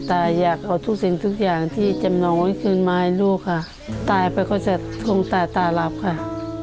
ตายไปเค้าก็จะต้องตายตาหลับค่ะ